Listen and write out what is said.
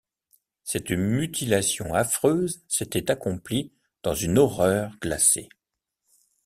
Cette mutilation affreuse s’était accomplie dans une horreur glacée.